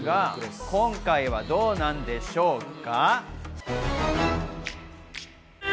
今回はどうなんでしょうか？